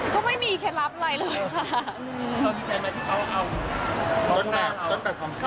ก็ไม่มีเคล็ดลับอะไรเลยค่ะ